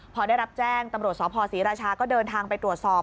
พอได้รับแจ้งตำรวจสภศรีราชาก็เดินทางไปตรวจสอบ